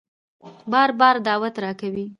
بار بار دعوت راکوي